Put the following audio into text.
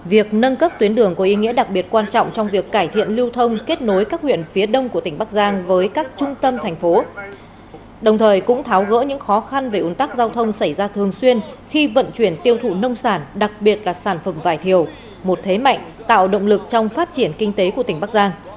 việc nâng cấp tuyến đường có ý nghĩa đặc biệt quan trọng trong việc cải thiện lưu thông kết nối các huyện phía đông của tỉnh bắc giang với các trung tâm thành phố đồng thời cũng tháo gỡ những khó khăn về ủn tắc giao thông xảy ra thường xuyên khi vận chuyển tiêu thụ nông sản đặc biệt là sản phẩm vải thiều một thế mạnh tạo động lực trong phát triển kinh tế của tỉnh bắc giang